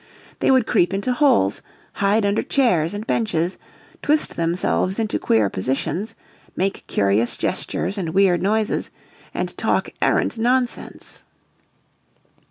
They would creep into holes, hide under chairs and benches, twist themselves into queer positions, make curious gestures and weird noises, and talk arrant nonsense.